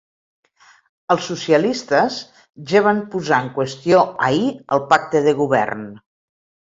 Els socialistes ja van ‘posar en qüestió’ ahir el pacte de govern.